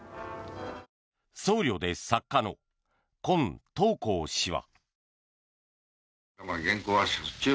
僧侶で作家の今東光氏は。